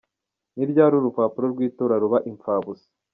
Ni ryari urupapuro rw’itora ruba imfabusa?.